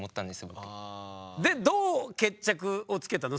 でどう決着をつけたの？